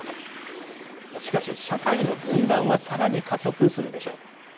しかし、社会の分断はさらに加速するでしょう。